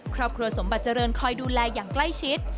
ครอบครัวสมบัติเจริญคอยดูแลอย่างใกล้ชิด